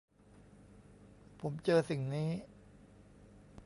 ผมเจอสิ่งนี้